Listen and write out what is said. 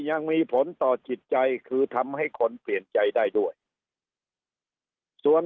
ยังมีผลต่อจิตใจคือทำให้คนเปลี่ยนใจได้ด้วยส่วน